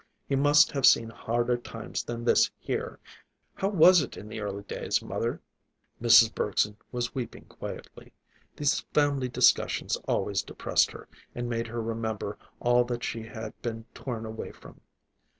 He must have seen harder times than this, here. How was it in the early days, mother?" Mrs. Bergson was weeping quietly. These family discussions always depressed her, and made her remember all that she had been torn away from.